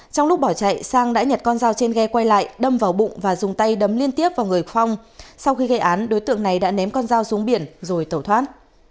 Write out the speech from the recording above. trong lúc bỏ chạy sang đã nhặt con dao trên ghe quay lại đâm vào bụng và dùng tay đấm liên tiếp vào người phong sau khi gây án đối tượng này đã ném con dao xuống biển rồi tẩu thoát